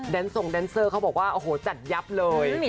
ทรงแดนเซอร์เขาบอกว่าโอ้โหจัดยับเลย